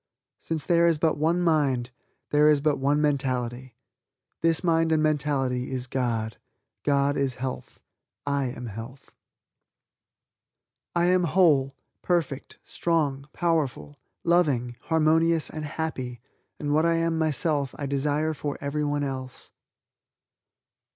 Since there is but one mind, there is but one mentality. This mind and mentality is God; God is health. I am health. "I am whole, perfect, strong, powerful, loving, harmonious and happy and what I am myself I desire for everyone else."